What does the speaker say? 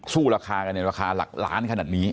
ราคากันในราคาหลักล้านขนาดนี้